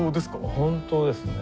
本当ですね。